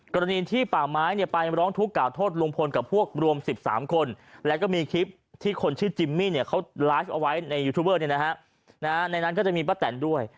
กรณีที่ป่าไม้ไปร้องทุกข์การโทษลวงพลกับพวกรวม๑๓คนและมีคลิปที่คนชื่อจิมมี่ไลฟ์เอาไว้ในยูทูบเบอร์ในนั้นมีประแต่นด้วย